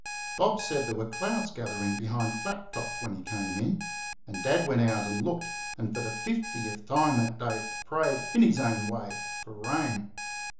Bob said there were clouds gathering behind Flat Top when he came in, and Dad went out and looked, and for the fiftieth time that day prayed in his own way for rain.